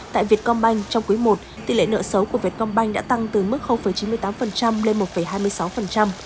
tại việt công banh trong cuối một tỷ lệ nợ xấu của việt công banh đã tăng từ mức chín mươi tám lên một hai mươi sáu